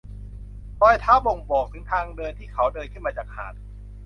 รอยเท้าบ่งบอกถึงทางเดินที่เขาเดินขึ้นมาจากหาด